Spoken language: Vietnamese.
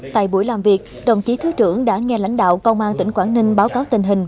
tại buổi làm việc đồng chí thứ trưởng đã nghe lãnh đạo công an tỉnh quảng ninh báo cáo tình hình